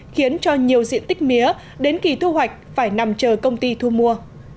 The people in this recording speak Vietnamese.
khiến cho nhiều diện tích mía đến kỳ thu hoạch phải nằm chờ công ty thu mua